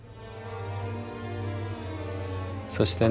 そしてね